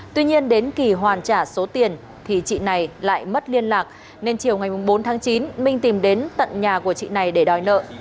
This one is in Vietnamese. tuy nhiên đến kỳ hoàn trả số tiền thì chị này lại mất liên lạc nên chiều ngày bốn tháng chín minh tìm đến tận nhà của chị này để đòi nợ